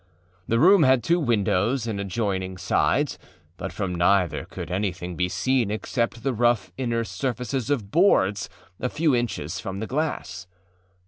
The room had two windows in adjoining sides, but from neither could anything be seen except the rough inner surfaces of boards a few inches from the glass.